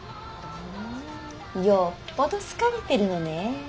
ふんよっぽど好かれてるのねえ。